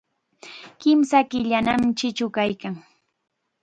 Kimsa killanam chichu kaykan.